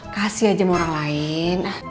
kasih aja sama orang lain